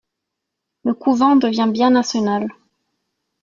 Le couvent devient bien national.